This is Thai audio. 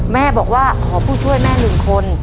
แม่บอกว่าขอผู้ช่วยแม่หนึ่งคน